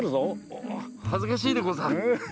おお恥ずかしいでござる。